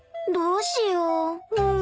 どうしよう。